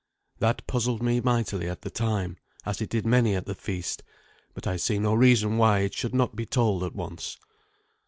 That puzzled me mightily at the time, as it did many at the feast, but I see no reason why it should not be told at once.